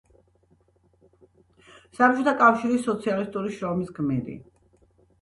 საბჭოთა კავშირის სოციალისტური შრომის გმირი.